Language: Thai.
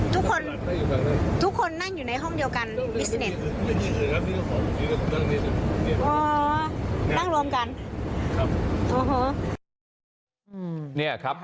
ทุกคนนั่งอยู่ในห้องเดียวกันใช่ไหม